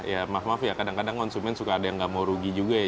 ya maaf maaf ya kadang kadang konsumen suka ada yang nggak mau rugi juga ya